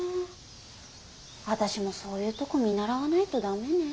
私もそういうとこ見習わないとダメね。